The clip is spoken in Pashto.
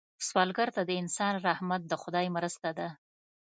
سوالګر ته د انسان رحمت د خدای مرسته ده